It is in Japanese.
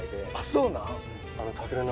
そうなん？